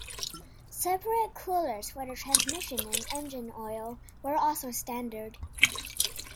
Separate coolers for the transmission and engine oil were also standard.